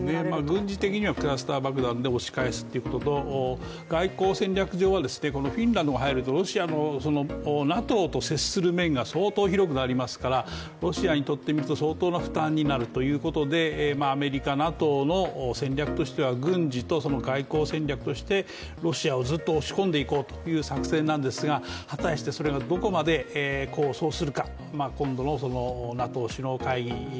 軍事的にはクラスター爆弾で押し返すということと、外交戦略上はフィンランドも入るとロシアもＮＡＴＯと接する面が相当広くなりますからロシアにとってみると相当な負担になるということでアメリカ、ＮＡＴＯの戦略としては軍事と外交戦略としてロシアをずっと押し込んでいこうという作戦なんですがここからは「ｎｅｗｓｔｏｒｉｅｓ」です。